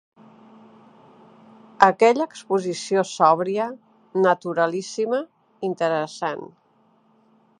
Aquella exposició sòbria, naturalíssima, interessant